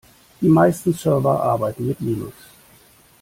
Die meisten Server arbeiten mit Linux.